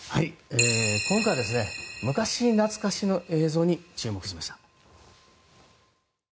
今回は昔懐かしの映像に注目しました。